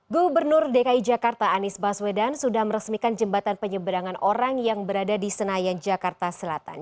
gubernur dki jakarta anies baswedan sudah meresmikan jembatan penyeberangan orang yang berada di senayan jakarta selatan